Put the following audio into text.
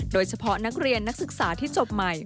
โดยเฉพาะนักเรียนนักศึกษาที่จบใหม่